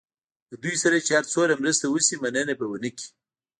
له دوی سره چې هر څومره مرسته وشي مننه به ونه کړي.